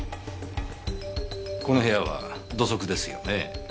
この部屋は土足ですよね？